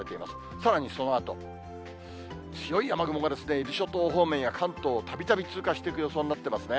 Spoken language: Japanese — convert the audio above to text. さらにそのあと、強い雨雲が伊豆諸島方面や関東をたびたび通過していく予想になっていますね。